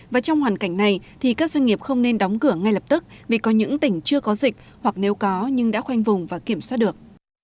và trong hoàn cảnh này thì các doanh nghiệp không nên đóng cửa ngay lập tức vì có những tỉnh chưa có dịch hoặc nếu có nhưng đã khoanh vùng và kiểm soát được